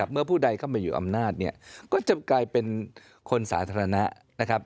เมื่อผู้ใดเข้ามาอยู่อำนาจเนี่ยก็จะกลายเป็นคนสาธารณะนะครับ